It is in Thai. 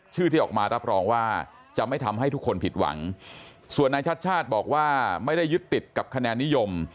ที่ออกมารับรองว่าจะไม่ทำให้ทุกคนผิดหวังส่วนนายชัดชาติบอกว่าไม่ได้ยึดติดกับคะแนนนิยม